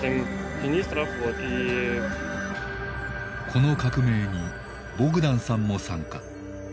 この革命にボグダンさんも参加。